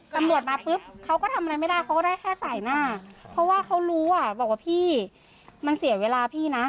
ตำรวจมาปุ๊บเขาก็ทำอะไรไม่ได้เขาก็ได้แค่สายหน้าเพราะว่าเขารู้อ่ะบอกว่าพี่มันเสียเวลาพี่นะ